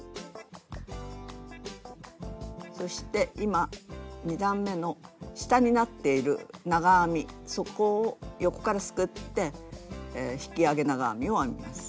そして今２段めの下になっている長編みそこを横からすくって引き上げ長編みを編みます。